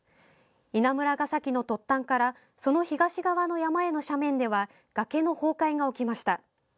稲村ヶ崎の突端からその東側の山への斜面では崖の崩壊が起きました。